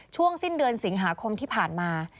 ช่วงสิ้นเดือนสิงหาคมที่ผ่านมา